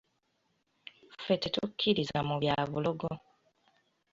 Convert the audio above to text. Ffe tetukkiririza mu bya bulogo.